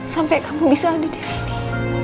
sampai kamu bisa ada disini